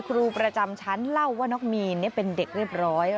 ครูประจำชั้นเล่าว่าน้องมีนเป็นเด็กเรียบร้อย